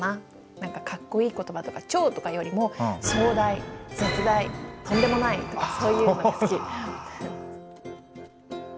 何かかっこいい言葉とか「超」とかよりも「壮大」「絶大」「とんでもない」とかそういうのが好き。